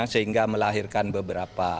sehingga melahirkan beberapa undang undang